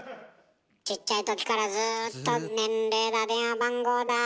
ちっちゃいときからずっと年齢だ電話番号だ